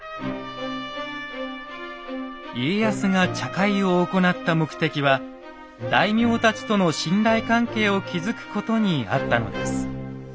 家康が茶会を行った目的は大名たちとの信頼関係を築くことにあったのです。